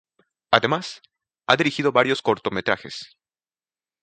Además, ha dirigido varios cortometrajes.